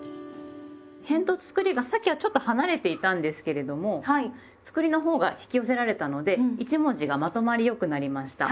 へんとつくりがさっきはちょっと離れていたんですけれどもつくりのほうが引き寄せられたので一文字がまとまり良くなりました。